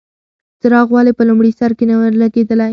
څراغ ولې په لومړي سر کې نه و لګېدلی؟